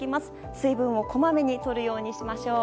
水分をこまめにとるようにしましょう。